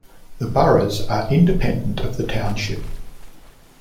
The boroughs are independent of the township.